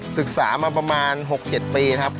ศึกษามาประมาณ๖๗ปีครับ